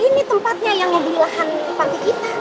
ini tempatnya yang ngebeli lahan panti kita